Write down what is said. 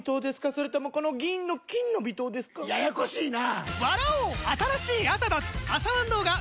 それともこの銀の「金の微糖」ですか？ややこしいなぁ！